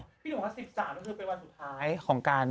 พี่หนุ่มว่า๑๓ก็คือเป็นวันสุดท้ายของการ